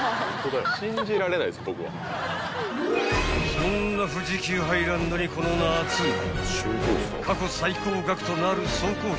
［そんな富士急ハイランドにこの夏過去最高額となる総工費